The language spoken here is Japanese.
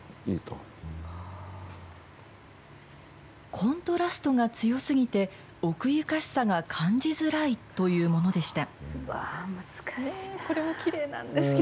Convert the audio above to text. コントラストが強すぎて、奥ゆかしさが感じづらいというものでした。